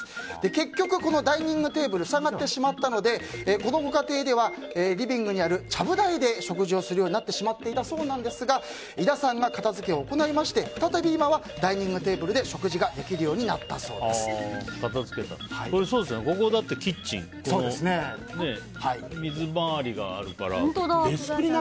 結局、ダイニングテーブル塞がってしまったのでこの家庭ではリビングにあるちゃぶ台で食事をするようになってしまっていたんですが井田さんが片づけを行い今は再びダイニングテーブルで食事がここはキッチンで水回りがあるから。